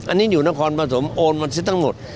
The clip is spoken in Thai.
อันนี้อยู่นครปฐมโอนมันซิทั้งหมด